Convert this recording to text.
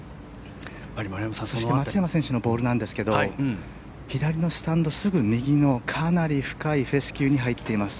松山選手のボールなんですが左のスタンドすぐ右のかなり深いフェスキューに入っています。